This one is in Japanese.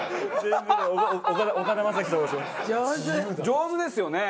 上手ですよね。